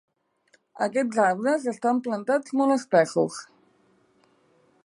Aquests arbres estan plantats molt espessos.